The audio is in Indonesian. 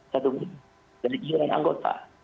satu minggu jadi iur an anggota